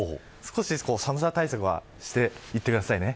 少し寒さ対策はしていってくださいね。